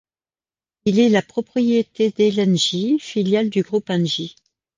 Il est la propriété d'Elengy, filiale du groupe Engie.